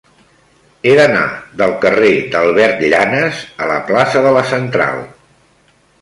He d'anar del carrer d'Albert Llanas a la plaça de la Central.